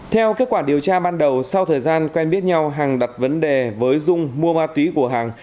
theo kết quả điều tra ban đầu sau thời gian quen biết nhau hằng đặt vấn đề với dung mua ma túy của hàng